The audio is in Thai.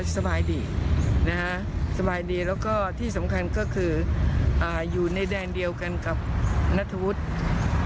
สบายดีแล้วก็ที่สำคัญก็คืออยู่ในแดนเดียวกันกับนัธวุฒิ